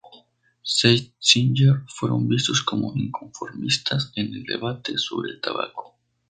Seitz y Singer fueron vistos como inconformistas en el debate sobre el tabaco.